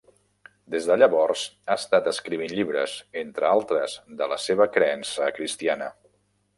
Des de llavors, ha estat escrivint llibres, entre altres, de la seva creença cristiana.